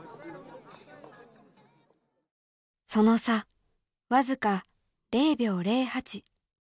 その差僅か０秒０８。